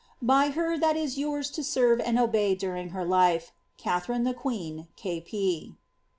* 9y her that is yours to serve and obey during her life, KATBRTir THl QuiHB, K.